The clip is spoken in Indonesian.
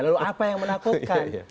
lalu apa yang menakutkan